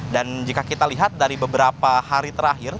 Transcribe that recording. dan jika kita lihat dari beberapa hari terakhir